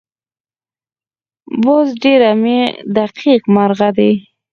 باز ډېر دقیق مرغه دی